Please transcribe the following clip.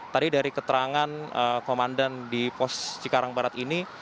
tadi dari keterangan komandan di pos cikarang barat ini